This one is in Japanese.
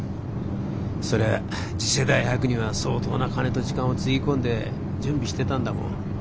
そりゃあ次世代博には相当な金と時間をつぎ込んで準備してたんだもん。